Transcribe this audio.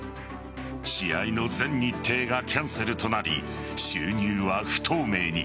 試合の全日程がキャンセルとなり収入は不透明に。